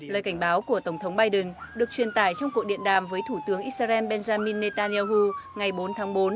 lời cảnh báo của tổng thống biden được truyền tải trong cuộc điện đàm với thủ tướng israel benjamin netanyahu ngày bốn tháng bốn